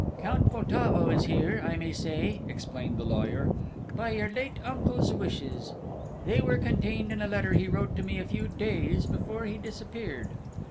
"Count Poltavo is here, I may say," explained the lawyer, "by your late uncle's wishes. They were contained in a letter he wrote to me a few days before he disappeared."